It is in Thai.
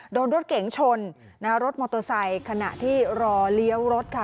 โดนรถเก๋งชนรถมอเตอร์ไซค์ขณะที่รอเลี้ยวรถค่ะ